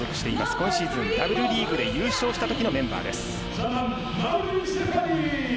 今シーズンＷリーグで優勝したときのメンバーです。